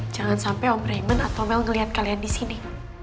jangan sampe om raymond atau mel ngeliat kalian disini